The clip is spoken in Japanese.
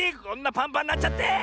こんなパンパンなっちゃって！